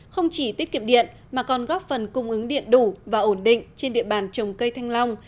không chỉ tiết kiệm điện mà còn góp phần cung ứng điện đủ và ổn định trên địa bàn trồng cây thanh long